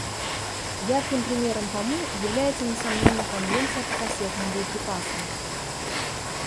Ярким примером тому является, несомненно, Конвенция по кассетным боеприпасам.